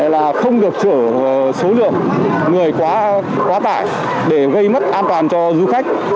là không được chợ số lượng người quá tại để gây mất an toàn cho du khách